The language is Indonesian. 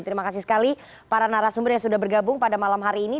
terima kasih sekali para narasumber yang sudah bergabung pada malam hari ini